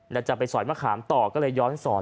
แล้วจะไปสอยมะขามต่อก็เลยย้อนสอน